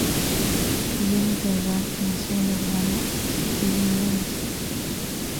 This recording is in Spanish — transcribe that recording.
Jennifer Garth nació en Urbana, Illinois.